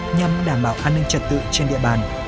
nhằm đảm bảo an ninh trật tự trên địa bàn